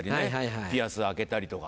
ピアス開けたりとか。